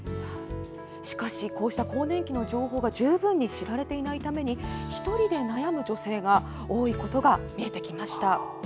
しかし、こうした更年期の情報が十分に知られていないために１人で悩む女性が多いことが見えてきました。